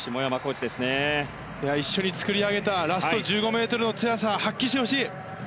一緒に作り上げたラスト１５ｍの強さ発揮してほしい！